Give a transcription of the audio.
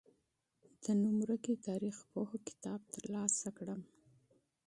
د نوم ورکي تاریخپوه کتاب تر لاسه کړم.